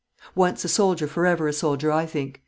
Once a soldier for ever a soldier, I think.